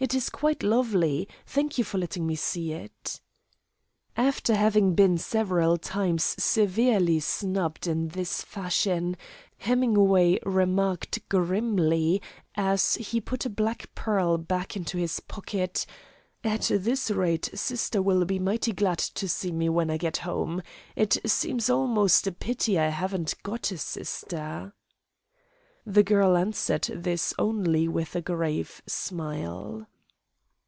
"It's quite lovely. Thank you for letting me see it." After having been several times severely snubbed in this fashion, Hemingway remarked grimly as he put a black pearl back into his pocket: "At this rate sister will be mighty glad to see me when I get home. It seems almost a pity I haven't got a sister." The girl answered this only with a grave smile.